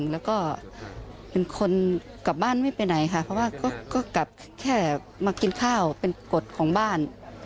แล้วก็เป็นคนกลับบ้านไม่ไปไหนค่ะเพราะว่าก็กลับแค่มากินข้าวเป็นกฎของบ้าน